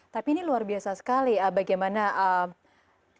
tapi ini luar biasa sekali ee bagaimana ee